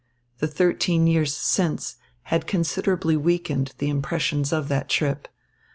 The thirteen years since had considerably weakened the impressions of that trip.